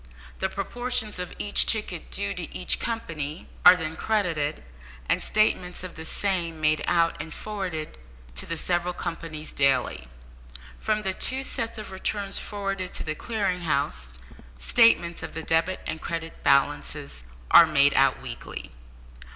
The proportions of each ticket due to each company are then credited, and statements of the same made out and forwarded to the several companies daily. From the two sets of returns forwarded to the Clearing House, statements of the debit and credit balances are made out weekly.